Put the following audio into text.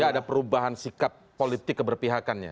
tidak ada perubahan sikap politik keberpihakannya